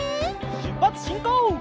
しゅっぱつしんこう！